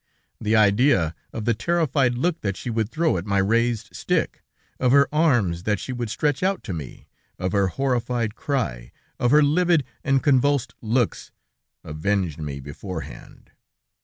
The idea of the terrified look that she would throw at my raised stick, of her arms that she would stretch out to me, of her horrified cry, of her livid and convulsed looks, avenged me beforehand.